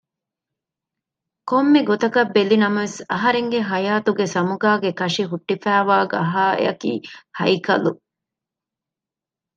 ކޮންމެ ގޮތަކަށް ބެލިނަމަވެސް އަހަރެންގެ ހަޔާތުގެ ސަމުގާގެ ކަށި ހުއްޓިފައިވާ ގަހާއަކީ ހައިކަލު